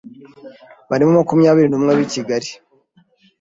Barimo makumyabiri numwe b’i Kigali,